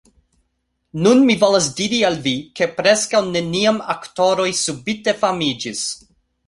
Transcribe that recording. Nun, mi volas diri al vi, ke preskaŭ neniam aktoroj subite famiĝis.